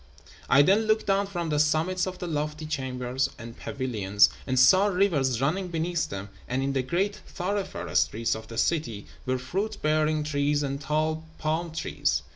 I then looked down from the summits of the lofty chambers and pavilions, and saw rivers running beneath them; and in the great thoroughfare streets of the city were fruit bearing trees and tall palm trees.